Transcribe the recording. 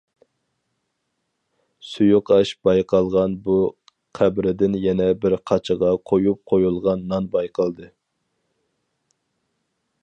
سۇيۇقئاش بايقالغان بۇ قەبرىدىن يەنە بىر قاچىغا قويۇپ قويۇلغان نان بايقالدى.